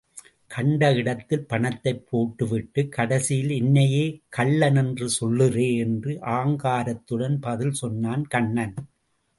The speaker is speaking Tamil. கண்ட இடத்தில் பணத்தைப் போட்டு விட்டு, கடைசியில் என்னையே கள்ளன்னு சொல்றே என்று ஆங்காரத்துடன் பதில் சொன்னான் கண்ணன்.